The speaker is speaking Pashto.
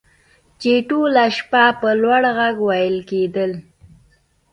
چې ټوله شپه په لوړ غږ ویل کیدل